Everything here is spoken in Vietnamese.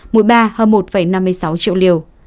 mũi ba hơn một năm mươi sáu triệu liều